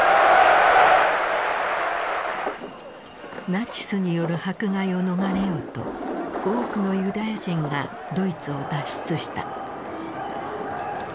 ナチスによる迫害を逃れようと多くのユダヤ人がドイツを脱出した。